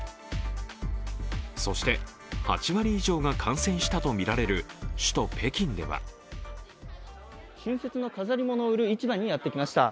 そして、８割以上が感染したとみられる首都・北京では春節の飾り物を売る市場にやってきました。